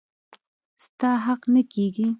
ستا حق نه کيږي.